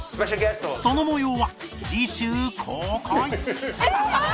その模様は次週公開！